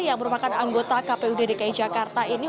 yang merupakan anggota kpu dki jakarta ini